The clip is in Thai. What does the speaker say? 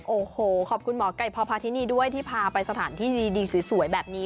โอ้โหขอบคุณหมอไก่พอพาทินีด้วยที่พาไปสถานที่ดีสวยแบบนี้